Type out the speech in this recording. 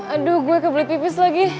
aduh gue kebelet pipis lagi